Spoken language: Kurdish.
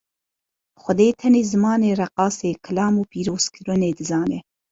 Xwedê tenê zimanê reqasê, kilam û pîrozkirinê dizane.